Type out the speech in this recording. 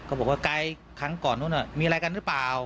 บอกว่าไกลครั้งก่อนนู้นมีอะไรกันหรือเปล่า